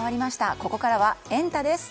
ここからはエンタ！です。